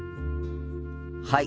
はい。